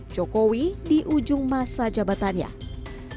jokowi diantarakan ke kabinet yang menjaga kekuatan dan kekuatan kekuatan yang menjaga kekuatan